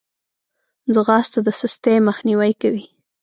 ځغاسته د سستي مخنیوی کوي